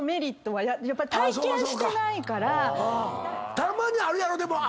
たまにあるやろ。